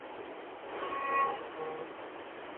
که یوازې نوم ذکر سي، ایا اشاره ضروري ده؟